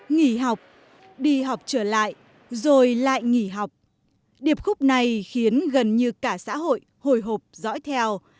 nghỉ học đi học trở lại rồi lại nghỉ học điệp khúc này khiến gần như cả xã hội hồi hộp dõi theo